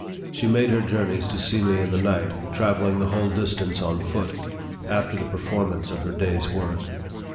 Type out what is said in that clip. She made her journeys to see me in the night, travelling the whole distance on foot, after the performance of her day's work.